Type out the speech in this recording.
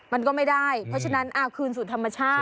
มันก็ไม่ได้เพราะฉะนั้นเอาคืนสู่ธรรมชาติ